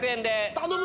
頼む